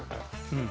うん。